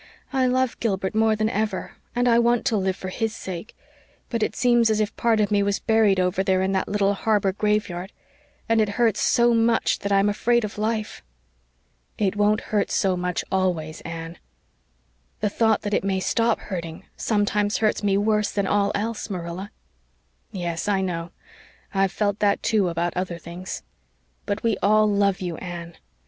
"I love Gilbert more than ever and I want to live for his sake. But it seems as if part of me was buried over there in that little harbor graveyard and it hurts so much that I'm afraid of life." "It won't hurt so much always, Anne." "The thought that it may stop hurting sometimes hurts me worse than all else, Marilla." "Yes, I know, I've felt that too, about other things. But we all love you, Anne.